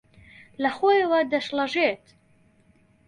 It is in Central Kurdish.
لەخۆیەوە دەشڵەژێت